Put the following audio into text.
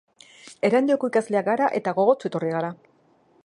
Erandioko ikasleak gara eta gogotsu etorri gara.